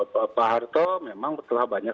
pak harto memang telah banyak